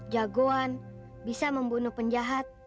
jagoan bisa membunuh penjahat